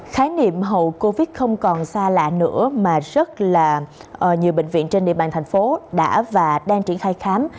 khái niệm hậu covid không còn xa lạ nữa mà rất là nhiều bệnh viện trên địa bàn thành phố đã và đang triển khai khám